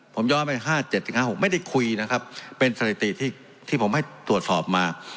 ผมย้อนไป๕๗๕๖ไม่ได้คุยนะครับเป็นสถิติที่ผมให้ตรวจสอบมา